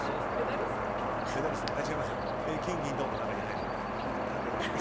金銀銅の中に入るみたいな。